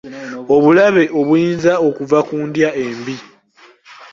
Obulabe obuyinza okuva ku ndya embi.